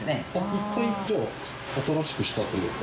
１回じゃあ新しくしたというか。